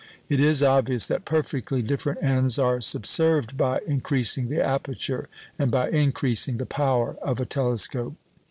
It is obvious that perfectly different ends are subserved by increasing the aperture and by increasing the power of a telescope.